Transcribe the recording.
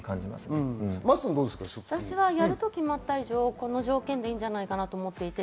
私はやると決まった以上、この条件でいいんじゃないかなと思います。